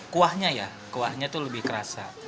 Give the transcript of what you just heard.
kuahnya ya kuahnya itu lebih kerasa